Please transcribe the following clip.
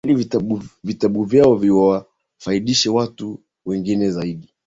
ili vitabu vyao viwafaidishe watu wengi zaidi